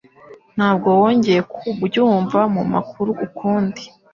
Ntabwo wongeye kubyumva mumakuru ukundi